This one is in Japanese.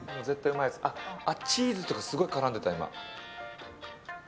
チーズとかすごい絡んでた。